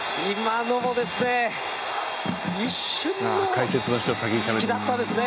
解説の人が先にしゃべって。